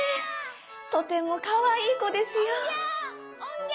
とてもかわいいこですよ」。